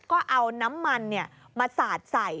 ก็เอาน้ำมันมาสาดใส่